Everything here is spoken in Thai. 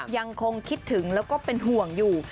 ยังคงคิดถึงแล้วก็เป็นห่วงอยู่